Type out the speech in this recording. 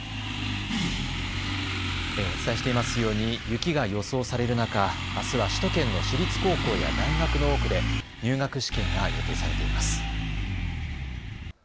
お伝えしていますように雪が予想される中、あすは首都圏の私立高校や大学の多くで入学試験が予定されています。